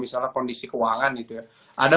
misalnya kondisi keuangan gitu ya ada